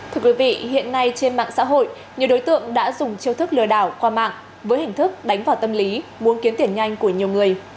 thưa quý vị hiện nay trên mạng xã hội nhiều đối tượng đã dùng chiêu thức lừa đảo qua mạng với hình thức đánh vào tâm lý muốn kiếm tiền nhanh của nhiều người